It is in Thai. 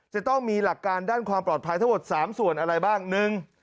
จะต้องมีหลักการด้านความปลอดภัยทั้งหมด๓ส่วนอะไรบ้าง